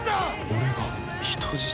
俺が人質？